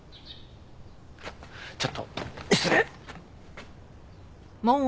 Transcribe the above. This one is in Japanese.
ちょっと失礼。